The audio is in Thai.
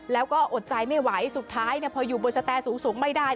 แล้วก็อดใจไม่ไหวสุดท้ายพออยู่บนสแตสูงไม่ได้